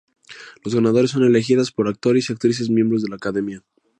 Los ganadores son elegidas por actores y actrices miembros de la Academia.